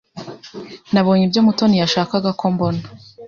Nabonye ibyo Mutoni yashakaga ko mbona.